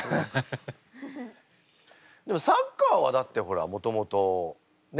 でもサッカーはだってほらもともとね